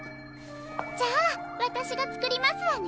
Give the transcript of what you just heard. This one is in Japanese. じゃあわたしがつくりますわね。